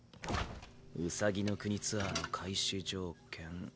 兎の国ツアーの開始条件」。